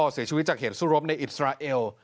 เสียชีวิตจากเหตุสู้รบในอิสราเอล